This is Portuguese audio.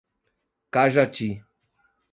Cajati